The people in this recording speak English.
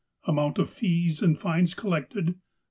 '' Amount of fees and fines collected